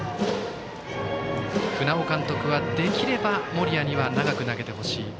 船尾監督はできれば森谷には長く投げてほしい。